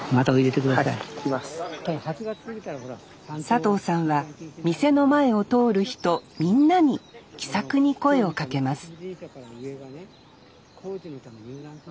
佐藤さんは店の前を通る人みんなに気さくに声をかけます